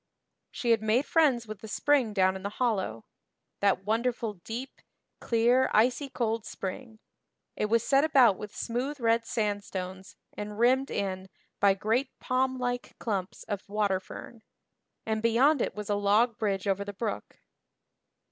She had made friends with the spring down in the hollow that wonderful deep, clear icy cold spring; it was set about with smooth red sandstones and rimmed in by great palm like clumps of water fern; and beyond it was a log bridge over the brook.